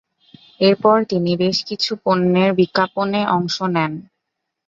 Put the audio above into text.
এরপর তিনি বেশকিছু পণ্যের বিজ্ঞাপন-এ অংশ নেন।